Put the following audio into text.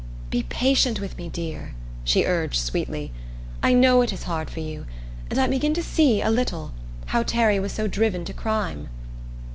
"Be patient with me, dear," she urged sweetly. "I know it is hard for you. And I begin to see a little how Terry was so driven to crime."